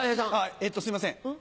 えっとすいません。